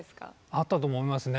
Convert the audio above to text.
あったと思いますね。